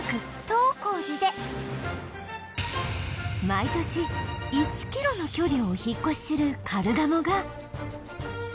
毎年１キロの距離をお引っ越しするカルガモが